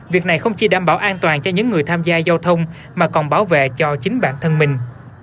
việc này không chỉ đảm bảo an toàn cho những người tham gia giao thông mà còn bảo vệ cho chính bản thân mình